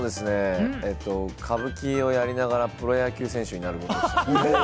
歌舞伎をやりながらプロ野球選手になること。